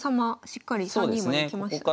しっかり３二まで来ました。